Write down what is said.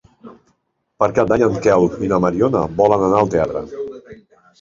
Per Cap d'Any en Quel i na Mariona volen anar al teatre.